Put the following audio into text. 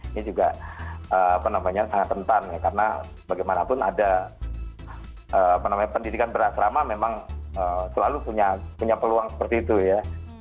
ini juga sangat rentan ya karena bagaimanapun ada pendidikan berasrama memang selalu punya peluang seperti itu ya